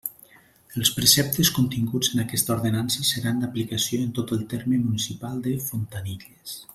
Els preceptes continguts en aquesta ordenança seran d'aplicació en tot el terme municipal de Fontanilles.